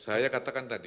saya katakan tadi